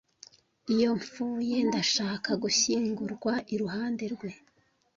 Iyo mpfuye, ndashaka gushyingurwa iruhande rwe.